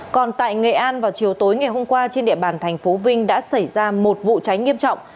còn tại nghệ an vào chiều tối ngày hôm qua trên địa bàn thành phố vinh đã xảy ra một vụ cháy nghiêm trọng